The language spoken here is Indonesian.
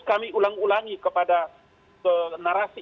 kami ulang ulangi kepada narasi